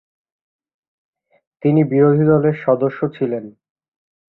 তিনি বিরোধী দলের সদস্য ছিলেন।